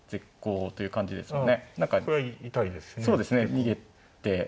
逃げて。